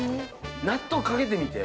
納豆掛けてみて。